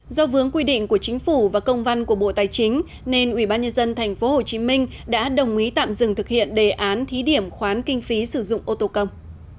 do vướng quy định của chính phủ và công văn của bộ tài chính nên ubnd tp hcm đã đồng ý tạm dừng thực hiện đề án thí điểm khoán kinh phí sử dụng ô tô công